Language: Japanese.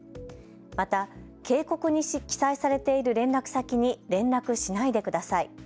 また警告に記載されている連絡先に連絡しないでください。